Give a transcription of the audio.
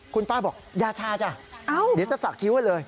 คุณป้าบอกยาชาจ้ะเดี๋ยวจะสักคิ้วไว้เลย